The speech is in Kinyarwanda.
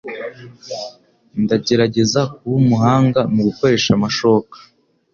Ndagerageza kuba umuhanga mugukoresha amashoka.